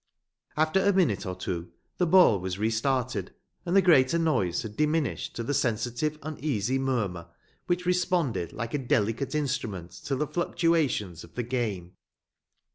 After a minute or two the ball was restarted, and the greater noise had diminished to the sensitive uneasy murmur which responded like a delicate instrument to the fluctuations of the game.